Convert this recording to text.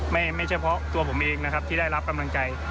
ไม่ใช่เพราะตัวผมเองนะครับที่ได้รับกำลังใจ